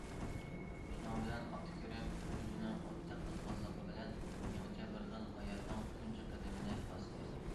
شۇنىڭ بىلەن ئابدۇكېرىم ئۆزىنىڭ ئوتتەك قىزغىنلىقى بىلەن يېڭىچە بىر خىل ھاياتنىڭ تۇنجى قەدىمىنى باستى.